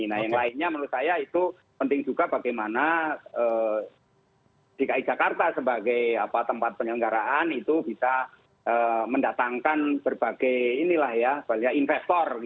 nah yang lainnya menurut saya itu penting juga bagaimana dki jakarta sebagai tempat penyelenggaraan itu bisa mendatangkan berbagai investor